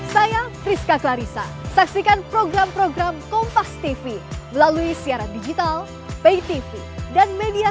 saya priska clarissa saksikan program program kompas tv melalui siaran digital pay tv dan media